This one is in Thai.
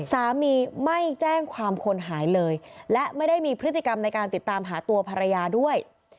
สามีไม่แจ้งความคนหายเลยและไม่ได้มีพฤติกรรมในการติดตามหาตัวภรรยาด้วย